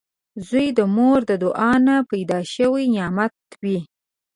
• زوی د مور د دعاوو نه پیدا شوي نعمت وي